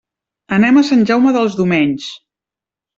Anem a Sant Jaume dels Domenys.